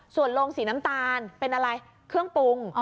ส่วนโรงสีน้ำตาลเป็นอะไรเครื่องปรุง